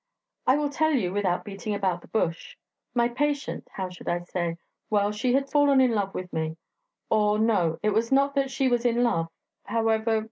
"I will tell you without beating about the bush. My patient ... how should I say?... Well she had fallen in love with me ... or, no, it was not that she was in love ... however